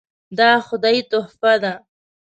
دا خدایي تحفه ده .